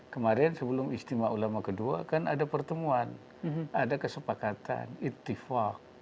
kemarin sebelum istimewa ulama kedua kan ada pertemuan ada kesepakatan ittifah